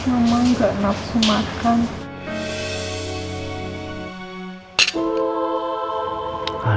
mama gak nafsu makan